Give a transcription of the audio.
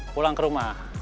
pulang ke rumah